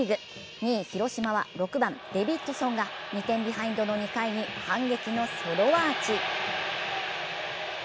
２位・広島は６番・デビッドソンが２点ビハインドの２回に反撃のソロアーチ。